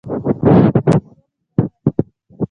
کوتره د سولې مرغه ده.